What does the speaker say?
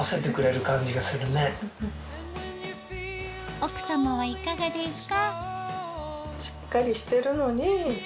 奥さまはいかがですか？